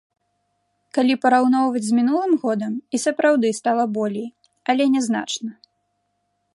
Калі параўноўваць з мінулым годам, і сапраўды стала болей, але не значна.